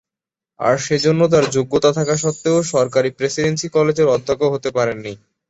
আর সেজন্য তার যোগ্যতা থাকা সত্ত্বেও সরকারি প্রেসিডেন্সি কলেজের অধ্যক্ষ হতে পারেন নি।